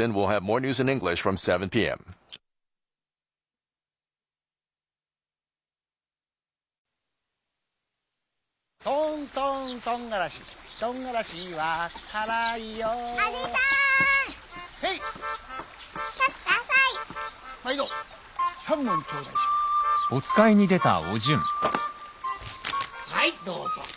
はいどうぞ。